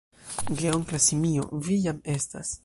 Geonkla simio: "Vi jam estas!"